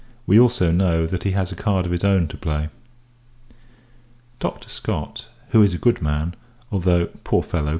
We also know, that he has a card of his own to play. Dr. Scott, who is a good man although, poor fellow!